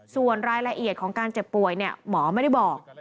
ส่วนรายละเอียดของการเจ็บป่วยหมอไม่ได้บอก